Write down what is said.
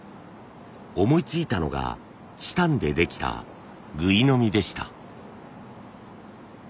思いついたのがチタンでできたぐいのみでした。